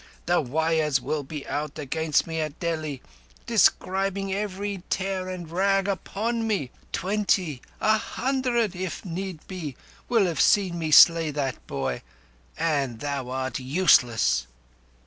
The wires will be out against me at Delhi, describing every tear and rag upon me. Twenty—a hundred, if need be—will have seen me slay that boy. And thou art useless!"